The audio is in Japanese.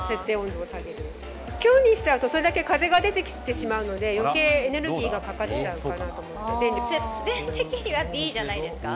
強にしちゃうと、それだけ風が出てきてしまうので、よけいエネルギーがかかっちゃう節電的にはＢじゃないですかね。